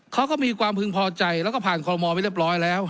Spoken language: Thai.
เขาก็มีความพึงพอใจแล้วก็ผ่านคอลโมไปเรียบร้อยแล้ว